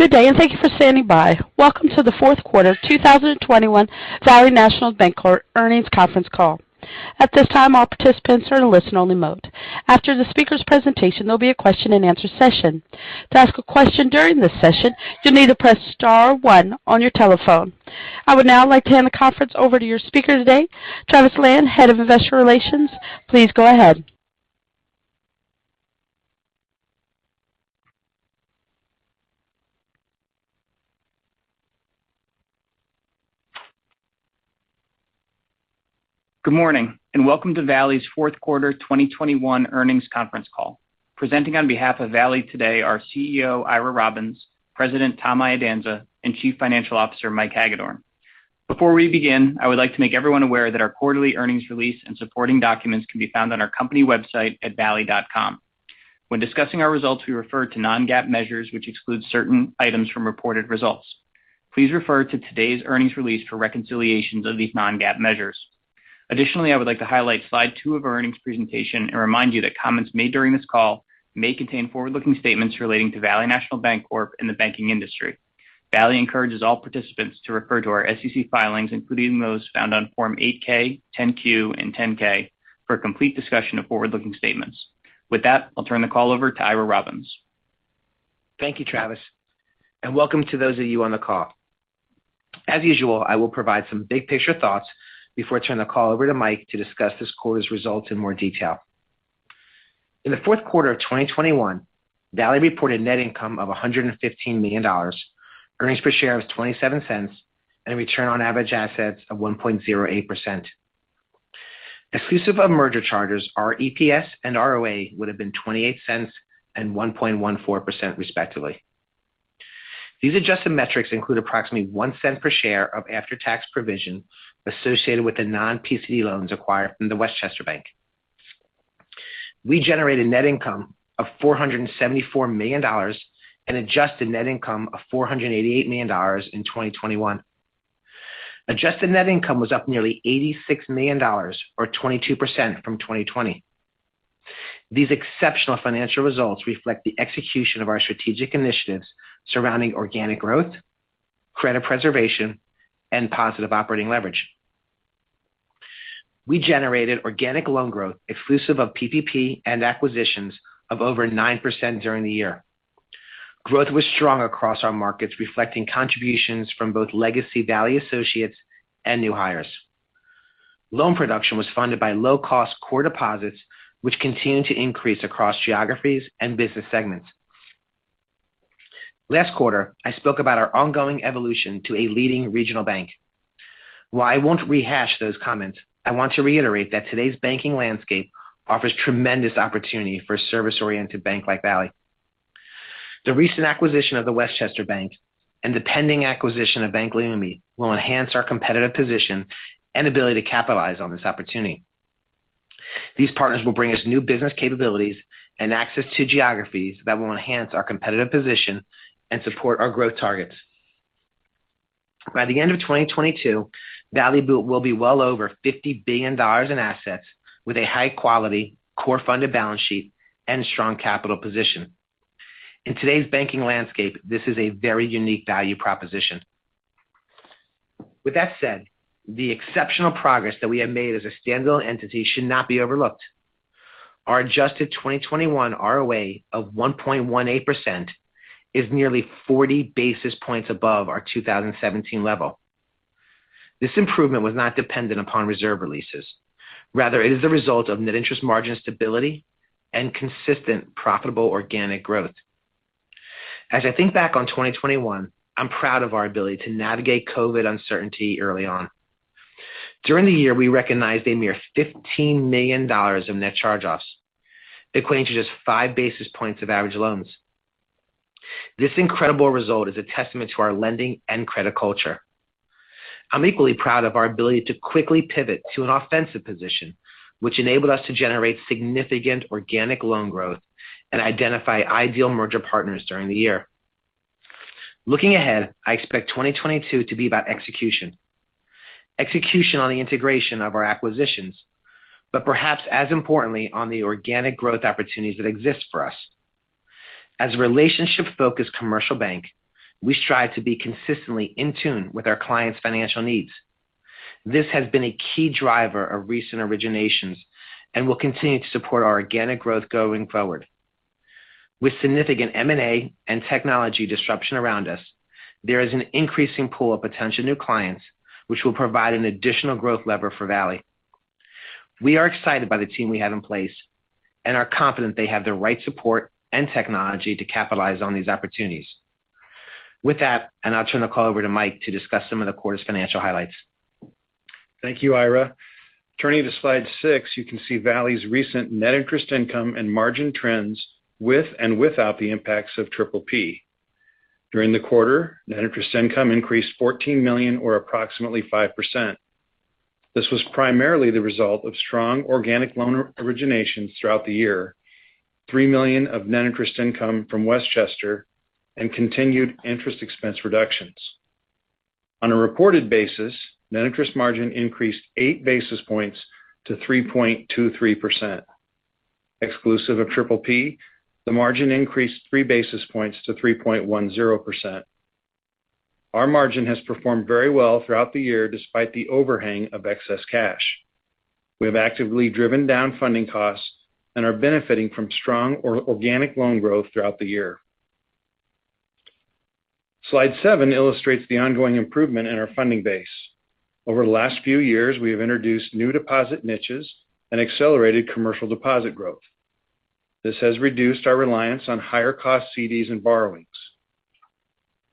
Good day, and thank you for standing by. Welcome to the Fourth Quarter 2021 Valley National Bancorp Earnings Conference Call. At this time, all participants are in a listen only mode. After the speaker's presentation, there'll be a question and answer session. To ask a question during this session, you'll need to press star one on your telephone. I would now like to hand the conference over to your speaker today, Travis Lan, Head of Investor Relations. Please go ahead. Good morning, and welcome to Valley's Fourth Quarter 2021 Earnings Conference Call. Presenting on behalf of Valley today are CEO Ira Robbins, President Tom Iadanza, and Chief Financial Officer Mike Hagedorn. Before we begin, I would like to make everyone aware that our quarterly earnings release and supporting documents can be found on our company website at valley.com. When discussing our results, we refer to non-GAAP measures which excludes certain items from reported results. Please refer to today's earnings release for reconciliations of these non-GAAP measures. Additionally, I would like to highlight slide 2 of our earnings presentation and remind you that comments made during this call may contain forward-looking statements relating to Valley National Bancorp and the banking industry. Valley encourages all participants to refer to our SEC filings, including those found on Form 8-K, 10-Q, and 10-K for a complete discussion of forward-looking statements. With that, I'll turn the call over to Ira Robbins. Thank you, Travis, and welcome to those of you on the call. As usual, I will provide some big picture thoughts before I turn the call over to Mike to discuss this quarter's results in more detail. In the fourth quarter of 2021, Valley reported net income of $115 million, earnings per share of $0.27, and a return on average assets of 1.08%. Exclusive of merger charges, our EPS and ROA would have been $0.28 and 1.14%, respectively. These adjusted metrics include approximately $0.01 per share of after-tax provision associated with the non-PCD loans acquired from The Westchester Bank. We generated net income of $474 million and adjusted net income of $488 million in 2021. Adjusted net income was up nearly $86 million or 22% from 2020. These exceptional financial results reflect the execution of our strategic initiatives surrounding organic growth, credit preservation, and positive operating leverage. We generated organic loan growth exclusive of PPP and acquisitions of over 9% during the year. Growth was strong across our markets, reflecting contributions from both legacy Valley associates and new hires. Loan production was funded by low-cost core deposits, which continued to increase across geographies and business segments. Last quarter, I spoke about our ongoing evolution to a leading regional bank. While I won't rehash those comments, I want to reiterate that today's banking landscape offers tremendous opportunity for a service-oriented bank like Valley. The recent acquisition of The Westchester Bank and the pending acquisition of Bank Leumi will enhance our competitive position and ability to capitalize on this opportunity. These partners will bring us new business capabilities and access to geographies that will enhance our competitive position and support our growth targets. By the end of 2022, Valley will be well over $50 billion in assets with a high quality core funded balance sheet and strong capital position. In today's banking landscape, this is a very unique value proposition. With that said, the exceptional progress that we have made as a standalone entity should not be overlooked. Our adjusted 2021 ROA of 1.18% is nearly 40 basis points above our 2017 level. This improvement was not dependent upon reserve releases. Rather, it is the result of net interest margin stability and consistent profitable organic growth. As I think back on 2021, I'm proud of our ability to navigate COVID uncertainty early on. During the year, we recognized a mere $15 million of net charge-offs, equating to just five basis points of average loans. This incredible result is a testament to our lending and credit culture. I'm equally proud of our ability to quickly pivot to an offensive position, which enabled us to generate significant organic loan growth and identify ideal merger partners during the year. Looking ahead, I expect 2022 to be about execution. Execution on the integration of our acquisitions, but perhaps as importantly, on the organic growth opportunities that exist for us. As a relationship-focused commercial bank, we strive to be consistently in tune with our clients' financial needs. This has been a key driver of recent originations and will continue to support our organic growth going forward. With significant M&A and technology disruption around us, there is an increasing pool of potential new clients which will provide an additional growth lever for Valley. We are excited by the team we have in place and are confident they have the right support and technology to capitalize on these opportunities. With that, and I'll turn the call over to Mike to discuss some of the quarter's financial highlights. Thank you, Ira. Turning to slide six, you can see Valley's recent net interest income and margin trends with and without the impacts of PPP. During the quarter, net interest income increased $14 million or approximately 5%. This was primarily the result of strong organic loan originations throughout the year, $3 million of net interest income from Westchester and continued interest expense reductions. On a reported basis, net interest margin increased eight basis points to 3.23%. Exclusive of PPP, the margin increased three basis points to 3.10%. Our margin has performed very well throughout the year despite the overhang of excess cash. We have actively driven down funding costs and are benefiting from strong organic loan growth throughout the year. Slide seven illustrates the ongoing improvement in our funding base. Over the last few years, we have introduced new deposit niches and accelerated commercial deposit growth. This has reduced our reliance on higher cost CDs and borrowings.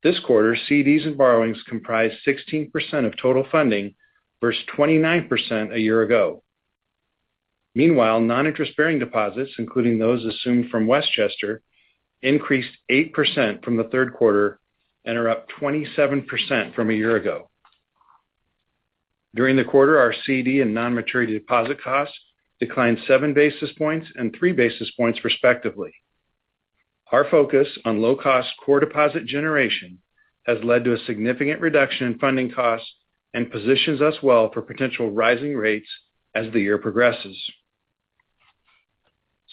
This quarter, CDs and borrowings comprise 16% of total funding versus 29% a year ago. Meanwhile, non-interest-bearing deposits, including those assumed from Westchester, increased 8% from the third quarter and are up 27% from a year ago. During the quarter, our CD and non-maturity deposit costs declined 7 basis points and three basis points respectively. Our focus on low-cost core deposit generation has led to a significant reduction in funding costs and positions us well for potential rising rates as the year progresses.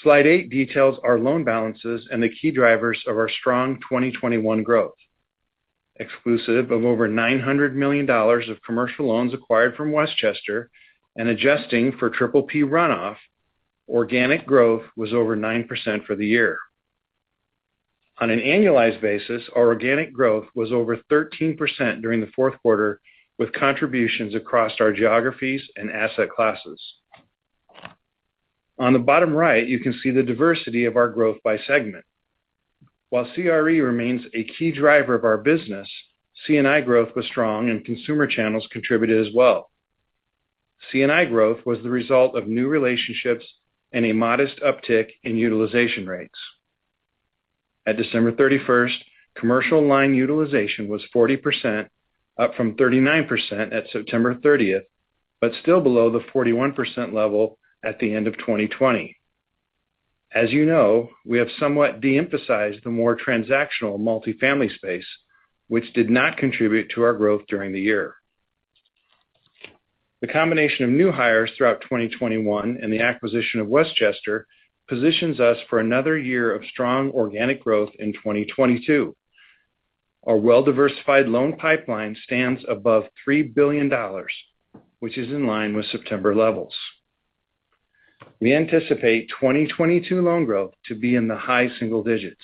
Slide eight details our loan balances and the key drivers of our strong 2021 growth. Exclusive of over $900 million of commercial loans acquired from Westchester and adjusting for PPP runoff, organic growth was over 9% for the year. On an annualized basis, our organic growth was over 13% during the fourth quarter, with contributions across our geographies and asset classes. On the bottom right, you can see the diversity of our growth by segment. While CRE remains a key driver of our business, C&I growth was strong and consumer channels contributed as well. C&I growth was the result of new relationships and a modest uptick in utilization rates. At December 31, commercial line utilization was 40%, up from 39% at September 30, but still below the 41% level at the end of 2020. As you know, we have somewhat de-emphasized the more transactional multifamily space, which did not contribute to our growth during the year. The combination of new hires throughout 2021 and the acquisition of Westchester positions us for another year of strong organic growth in 2022. Our well-diversified loan pipeline stands above $3 billion, which is in line with September levels. We anticipate 2022 loan growth to be in the high single digits.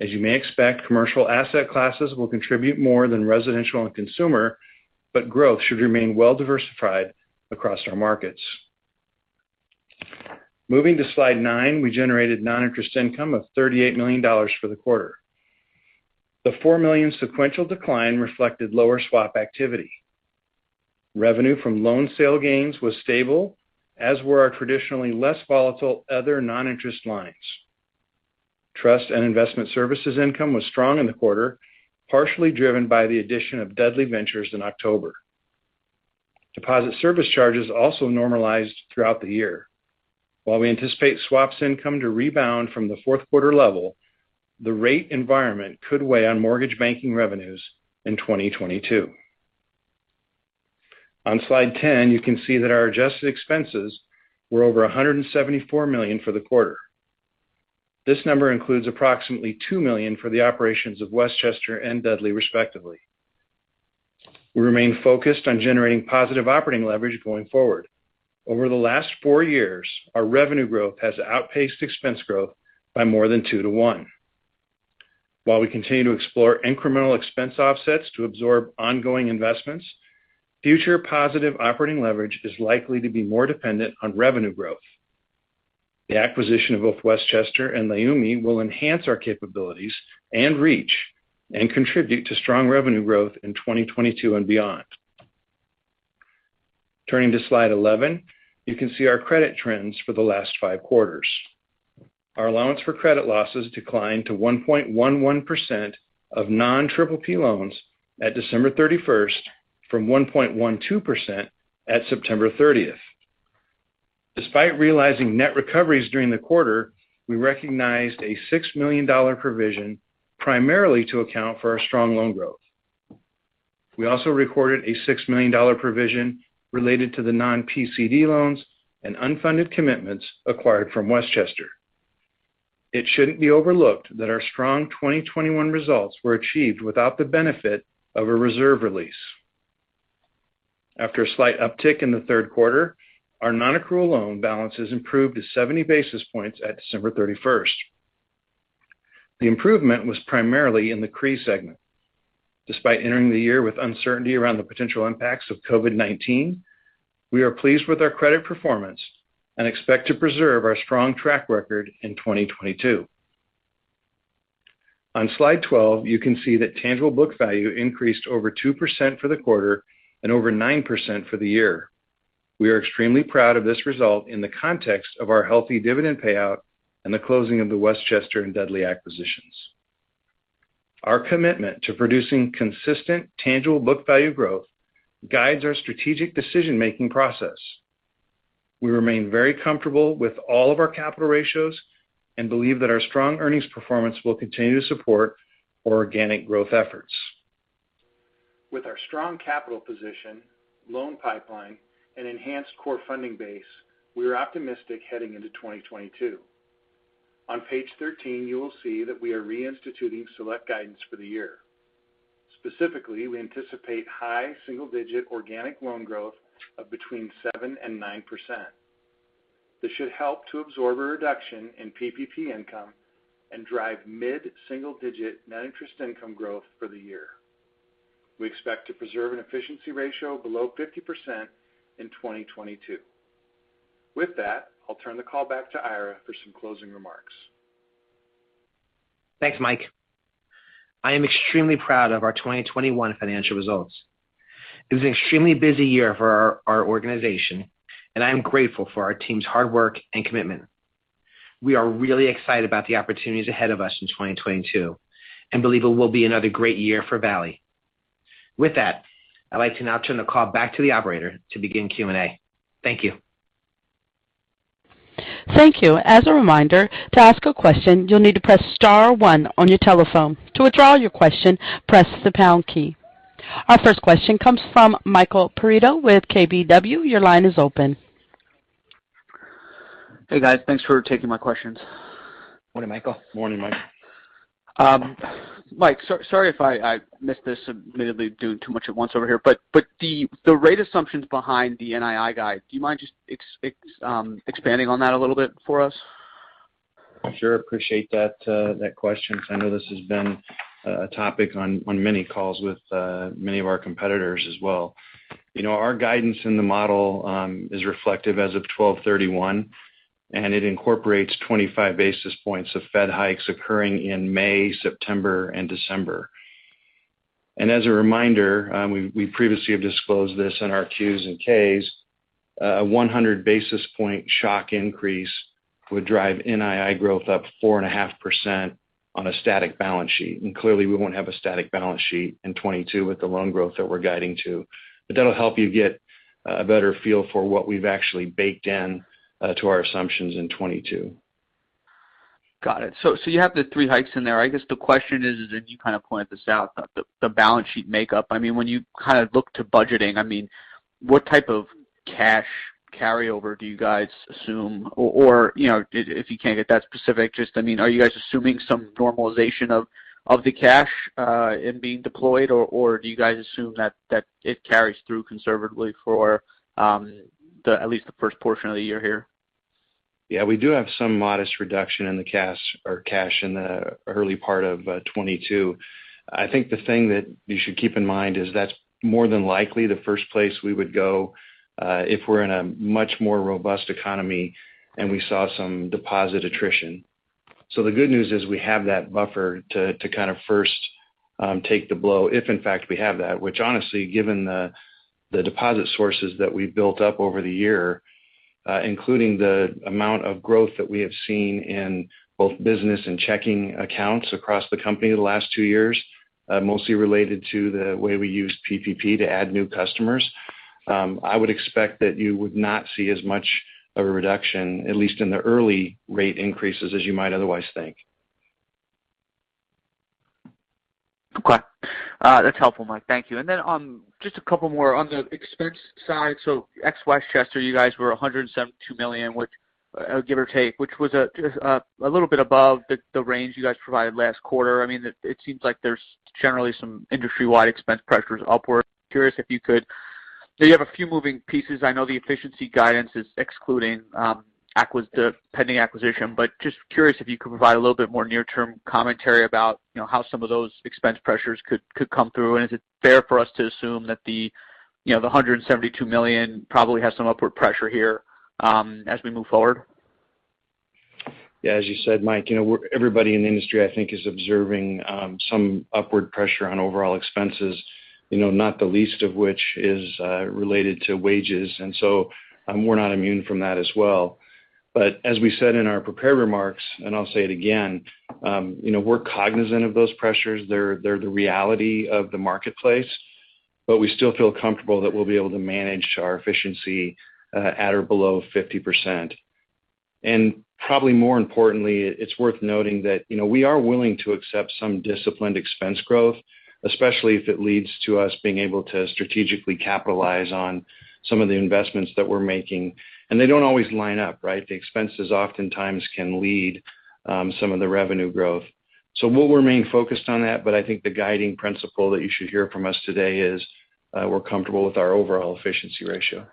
As you may expect, commercial asset classes will contribute more than residential and consumer, but growth should remain well diversified across our markets. Moving to slide nine, we generated non-interest income of $38 million for the quarter. The $4 million sequential decline reflected lower swap activity. Revenue from loan sale gains was stable, as were our traditionally less volatile other non-interest lines. Trust and investment services income was strong in the quarter, partially driven by the addition of Dudley Ventures in October. Deposit service charges also normalized throughout the year. While we anticipate swaps income to rebound from the fourth quarter level, the rate environment could weigh on mortgage banking revenues in 2022. On slide 10, you can see that our adjusted expenses were over $174 million for the quarter. This number includes approximately $2 million for the operations of Westchester and Dudley, respectively. We remain focused on generating positive operating leverage going forward. Over the last four years, our revenue growth has outpaced expense growth by more than 2:1. While we continue to explore incremental expense offsets to absorb ongoing investments, future positive operating leverage is likely to be more dependent on revenue growth. The acquisition of both Westchester and Leumi will enhance our capabilities and reach and contribute to strong revenue growth in 2022 and beyond. Turning to slide 11, you can see our credit trends for the last five quarters. Our allowance for credit losses declined to 1.11% of non-PPP loans at December thirty-first from 1.12% at September thirtieth. Despite realizing net recoveries during the quarter, we recognized a $6 million provision primarily to account for our strong loan growth. We also recorded a $6 million provision related to the non-PCD loans and unfunded commitments acquired from Westchester. It shouldn't be overlooked that our strong 2021 results were achieved without the benefit of a reserve release. After a slight uptick in the third quarter, our non-accrual loan balances improved to 70 basis points at December thirty-first. The improvement was primarily in the CRE segment. Despite entering the year with uncertainty around the potential impacts of COVID-19, we are pleased with our credit performance and expect to preserve our strong track record in 2022. On slide 12, you can see that tangible book value increased over 2% for the quarter and over 9% for the year. We are extremely proud of this result in the context of our healthy dividend payout and the closing of the Westchester and Dudley acquisitions. Our commitment to producing consistent tangible book value growth guides our strategic decision-making process. We remain very comfortable with all of our capital ratios and believe that our strong earnings performance will continue to support organic growth efforts. With our strong capital position, loan pipeline, and enhanced core funding base, we are optimistic heading into 2022. On page 13, you will see that we are reinstituting select guidance for the year. Specifically, we anticipate high single digit organic loan growth of between 7% and 9%. This should help to absorb a reduction in PPP income and drive mid-single digit net interest income growth for the year. We expect to preserve an efficiency ratio below 50% in 2022. With that, I'll turn the call back to Ira for some closing remarks. Thanks, Mike. I am extremely proud of our 2021 financial results. It was an extremely busy year for our organization, and I am grateful for our team's hard work and commitment. We are really excited about the opportunities ahead of us in 2022 and believe it will be another great year for Valley. With that, I'd like to now turn the call back to the operator to begin Q&A. Thank you. Thank you. As a reminder, to ask a question you'll need to press star one on your telephone. To withdraw your question, press the pound key. Our first question comes from Michael Perito with KBW. Your line is open. Hey, guys. Thanks for taking my questions. Morning, Michael. Morning, Mike. Mike, sorry if I missed this. Admittedly doing too much at once over here. The rate assumptions behind the NII guide, do you mind just expanding on that a little bit for us? Sure. Appreciate that question. I know this has been a topic on many calls with many of our competitors as well. You know, our guidance in the model is reflective as of 12/31, and it incorporates 25 basis points of Fed hikes occurring in May, September and December. As a reminder, we previously have disclosed this in our Qs and Ks, a 100 basis point shock increase would drive NII growth up 4.5% on a static balance sheet. Clearly we won't have a static balance sheet in 2022 with the loan growth that we're guiding to. That'll help you get a better feel for what we've actually baked in to our assumptions in 2022. Got it. You have the three hikes in there. I guess the question is, you kind of pointed this out, the balance sheet makeup. I mean, when you kind of look to budgeting, I mean, what type of cash carryover do you guys assume? If you can't get that specific, just, I mean, are you guys assuming some normalization of the cash in being deployed or do you guys assume that it carries through conservatively for at least the first portion of the year here? Yeah, we do have some modest reduction in the cash or cash in the early part of 2022. I think the thing that you should keep in mind is that's more than likely the first place we would go if we're in a much more robust economy and we saw some deposit attrition. The good news is we have that buffer to kind of first take the blow if in fact we have that, which honestly, given the deposit sources that we've built up over the year, including the amount of growth that we have seen in both business and checking accounts across the company the last two years, mostly related to the way we use PPP to add new customers, I would expect that you would not see as much of a reduction, at least in the early rate increases as you might otherwise think. Okay. That's helpful, Mike. Thank you. On just a couple more on the expense side. Ex Westchester, you guys were $172 million, which, give or take, which was a little bit above the range you guys provided last quarter. I mean, it seems like there's generally some industry-wide expense pressures upward. Curious if you could provide a little bit more near-term commentary about, you know, how some of those expense pressures could come through. You have a few moving pieces. I know the efficiency guidance is excluding the pending acquisition. Is it fair for us to assume that, you know, the $172 million probably has some upward pressure here, as we move forward? Yeah, as you said, Mike, you know, everybody in the industry, I think is observing some upward pressure on overall expenses, you know, not the least of which is related to wages. We're not immune from that as well. As we said in our prepared remarks, and I'll say it again, you know, we're cognizant of those pressures. They're the reality of the marketplace, but we still feel comfortable that we'll be able to manage our efficiency at or below 50%. Probably more importantly, it's worth noting that, you know, we are willing to accept some disciplined expense growth, especially if it leads to us being able to strategically capitalize on some of the investments that we're making. They don't always line up, right? The expenses oftentimes can lead some of the revenue growth. We'll remain focused on that. I think the guiding principle that you should hear from us today is, we're comfortable with our overall efficiency ratio.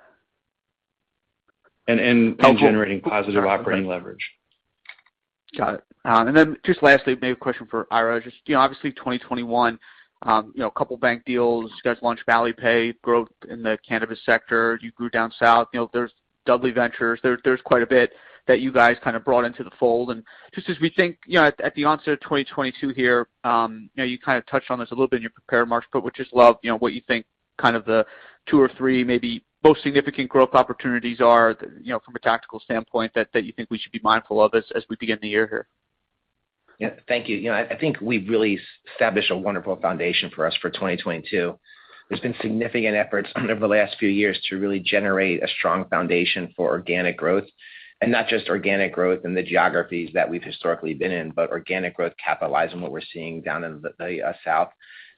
Oh, cool. Generating positive operating leverage. Got it. Just lastly, maybe a question for Ira. Just, you know, obviously 2021, you know, a couple bank deals. You guys launched Valley Pay, growth in the cannabis sector. You grew down south. There's Dudley Ventures. There's quite a bit that you guys kind of brought into the fold. Just as we think, you know, at the onset of 2022 here, you know, you kind of touched on this a little bit in your prepared remarks, but would just love, you know, what you think kind of the two or three maybe most significant growth opportunities are, you know, from a tactical standpoint that you think we should be mindful of as we begin the year here? Yeah. Thank you. I think we've really established a wonderful foundation for us for 2022. There's been significant efforts over the last few years to really generate a strong foundation for organic growth. Not just organic growth in the geographies that we've historically been in, but organic growth capitalizing what we're seeing down in the South,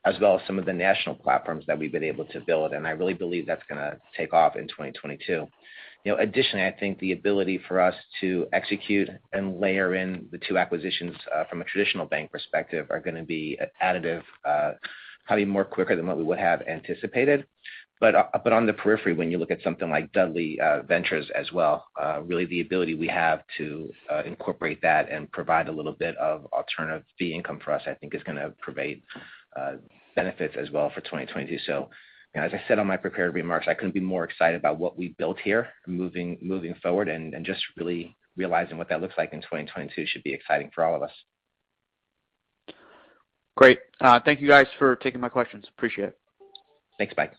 as well as some of the national platforms that we've been able to build. I really believe that's gonna take off in 2022. You know, additionally, I think the ability for us to execute and layer in the two acquisitions from a traditional bank perspective are gonna be additive, probably more quicker than what we would have anticipated. On the periphery, when you look at something like Dudley Ventures as well, really the ability we have to incorporate that and provide a little bit of alternative fee income for us, I think is gonna provide benefits as well for 2022. You know, as I said on my prepared remarks, I couldn't be more excited about what we've built here moving forward and just really realizing what that looks like in 2022 should be exciting for all of us. Great. Thank you guys for taking my questions. Appreciate it. Thanks, bye.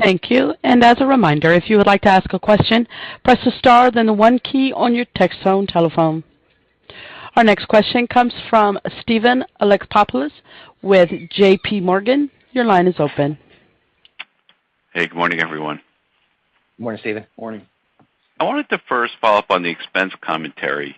Thank you. As a reminder, if you would like to ask a question, press the star, then the one key on your touch-tone telephone. Our next question comes from Steven Alexopoulos with JP Morgan. Your line is open. Hey, good morning, everyone. Good morning, Steven. Morning. I wanted to first follow up on the expense commentary,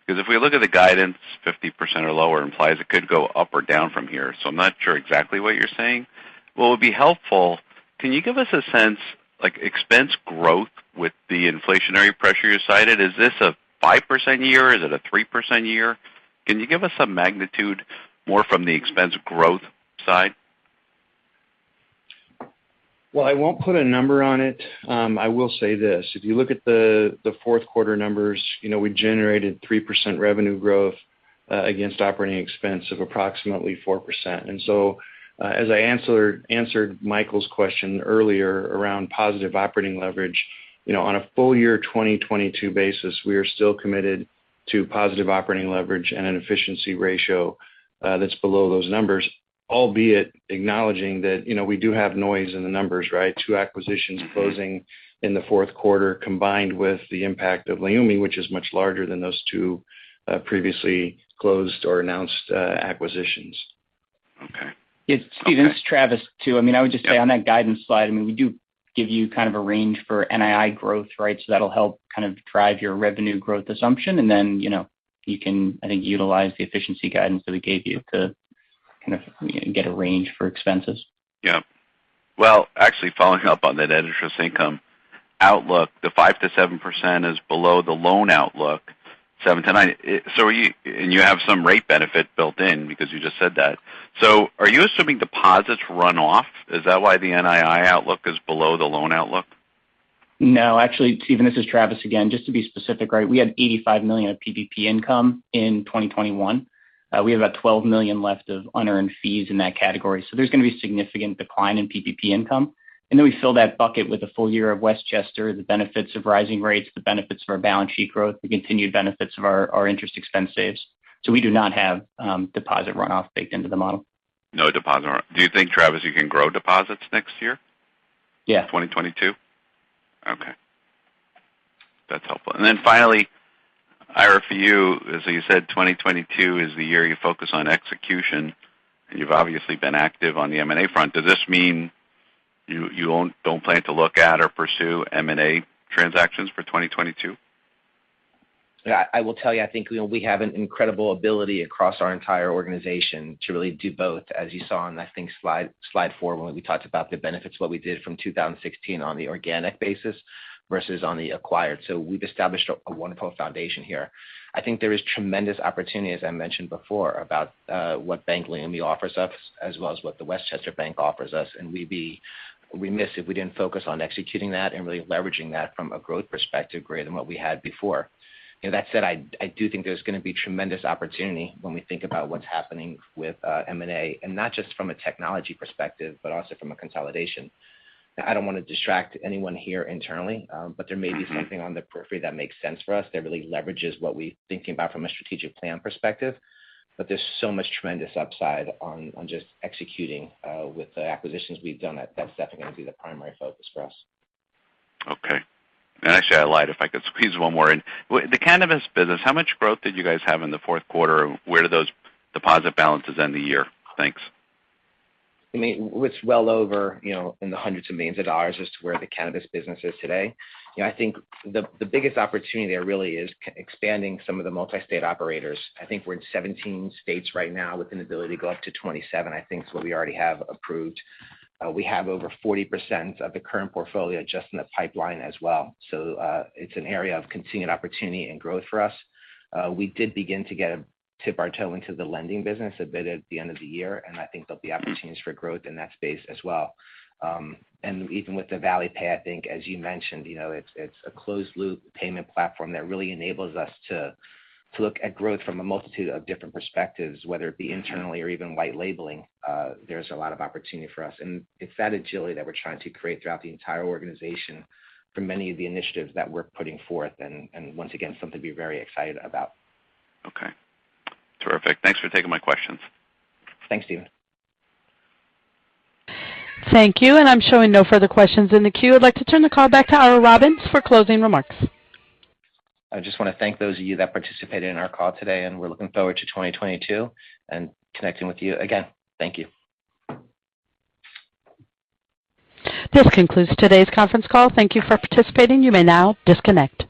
because if we look at the guidance, 50% or lower implies it could go up or down from here. I'm not sure exactly what you're saying. What would be helpful, can you give us a sense, like expense growth with the inflationary pressure you cited? Is this a 5% year? Is it a 3% year? Can you give us a magnitude more from the expense growth side? Well, I won't put a number on it. I will say this. If you look at the fourth quarter numbers, you know, we generated 3% revenue growth against operating expense of approximately 4%. As I answered Michael's question earlier around positive operating leverage, you know, on a full year 2022 basis, we are still committed to positive operating leverage and an efficiency ratio that's below those numbers. Albeit acknowledging that, you know, we do have noise in the numbers, right? Two acquisitions closing in the fourth quarter, combined with the impact of Leumi, which is much larger than those two previously closed or announced acquisitions. Okay. Yeah. Steven, it's Travis too. I mean, I would just say on that guidance slide, I mean, we do give you kind of a range for NII growth, right? So that'll help kind of drive your revenue growth assumption. You can, I think, utilize the efficiency guidance that we gave you to kind of get a range for expenses. Yeah. Well, actually following up on that interest income outlook, the 5%-7% is below the loan outlook, 7%-9%. You have some rate benefit built in because you just said that. Are you assuming deposits run off? Is that why the NII outlook is below the loan outlook? No, actually, Steven, this is Travis again, just to be specific, right? We had $85 million of PPP income in 2021. We have about $12 million left of unearned fees in that category. There's gonna be significant decline in PPP income. Then we fill that bucket with a full year of Westchester, the benefits of rising rates, the benefits of our balance sheet growth, the continued benefits of our interest expense saves. We do not have deposit runoff baked into the model. No deposit run. Do you think, Travis, you can grow deposits next year? Yeah. 2022? Okay. That's helpful. Finally, Ira, for you, as you said, 2022 is the year you focus on execution, and you've obviously been active on the M&A front. Does this mean you don't plan to look at or pursue M&A transactions for 2022? I will tell you, I think, you know, we have an incredible ability across our entire organization to really do both, as you saw on, I think, slide four, when we talked about the benefits of what we did from 2016 on the organic basis versus on the acquired. We've established a wonderful foundation here. I think there is tremendous opportunity, as I mentioned before, about what Bank Leumi offers us, as well as what the Westchester Bank offers us. We'd miss if we didn't focus on executing that and really leveraging that from a growth perspective greater than what we had before. You know, that said, I do think there's gonna be tremendous opportunity when we think about what's happening with M&A. Not just from a technology perspective, but also from a consolidation. I don't wanna distract anyone here internally, but there may be something on the periphery that makes sense for us that really leverages what we're thinking about from a strategic plan perspective. There's so much tremendous upside on just executing with the acquisitions we've done. That's definitely gonna be the primary focus for us. Okay. Actually, I lied. If I could squeeze one more in. The cannabis business, how much growth did you guys have in the fourth quarter? Where do those deposit balances end the year? Thanks. I mean, it's well over, you know, $hundreds of millions as to where the cannabis business is today. You know, I think the biggest opportunity there really is expanding some of the multi-state operators. I think we're in 17 states right now with an ability to go up to 27, I think, is what we already have approved. We have over 40% of the current portfolio just in the pipeline as well. It's an area of continued opportunity and growth for us. We did begin to dip our toe into the lending business a bit at the end of the year, and I think there'll be opportunities for growth in that space as well. Even with the Valley Pay, I think, as you mentioned, you know, it's a closed loop payment platform that really enables us to look at growth from a multitude of different perspectives, whether it be internally or even white labeling. There's a lot of opportunity for us. It's that agility that we're trying to create throughout the entire organization for many of the initiatives that we're putting forth. Once again, something to be very excited about. Okay. Terrific. Thanks for taking my questions. Thanks, Steven. Thank you. I'm showing no further questions in the queue. I'd like to turn the call back to Ira Robbins for closing remarks. I just wanna thank those of you that participated in our call today, and we're looking forward to 2022 and connecting with you again. Thank you. This concludes today's conference call. Thank you for participating. You may now disconnect.